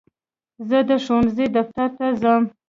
زه د ښوونځي دفتر ته ځم.